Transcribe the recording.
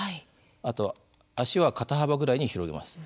あと足は肩幅ぐらいに広げます。